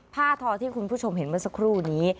ทอที่คุณผู้ชมเห็นเมื่อสักครู่นี้